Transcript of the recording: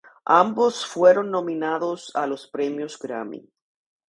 Ambos fueron nominados a los premios Grammy.